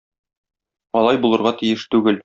Алай булырга тиеш түгел.